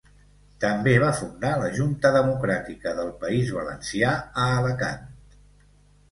També va fundar la Junta Democràtica del País Valencià a Alacant.